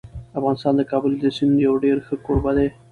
افغانستان د کابل د سیند یو ډېر ښه کوربه دی.